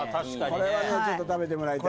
これはね、これ、食べてもらいたい。